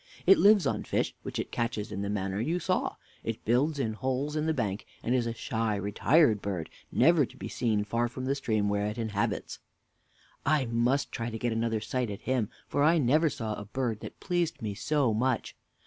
It lives on fish, which it catches in the manner you saw. It builds in holes in the banks, and is a shy, retired bird, never to be seen far from the stream where it inhabits. W. I must try to get another sight at him, for I never saw a bird that pleased me so much.